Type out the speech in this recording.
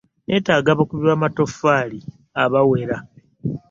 Nneetaaga abakubi b'amatoffaali abawera.